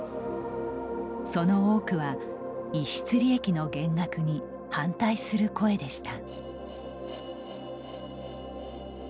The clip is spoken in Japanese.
その多くは、逸失利益の減額に反対する声でした。